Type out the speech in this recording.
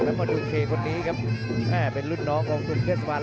แล้วมาดูเคคนนี้ครับแม่เป็นรุ่นน้องของกลุ่มเทศบาล